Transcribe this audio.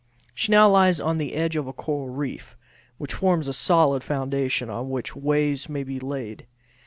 She now lies on the edge of a coral reef, which forms a solid foundation, on which ways may be laid.